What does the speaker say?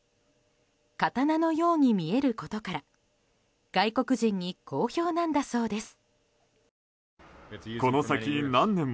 刀のように見えることから外国人に好評なんだそうです。